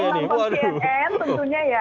kalau yang nombor tn tentunya ya